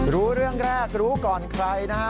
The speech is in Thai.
รู้เรื่องแรกรู้ก่อนใครนะฮะ